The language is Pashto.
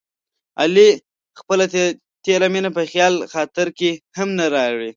علي خپله تېره مینه په خیال خاطر کې هم نه راوړي.